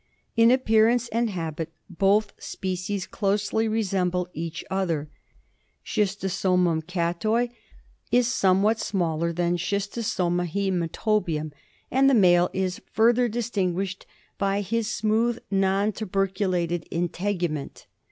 In appearance and habit both species closely resemble each other. S, cattoi is 58 SCHISTOSOMUM CATTOI. somewhat smaller than S. ktEinatobium, and the male is further distinguished by his smooth non tuberculated integument.